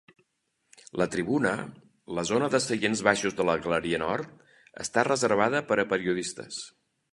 La tribuna, la zona de seients baixos de la galeria nord, està reservada per a periodistes.